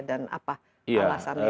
dan apa alasannya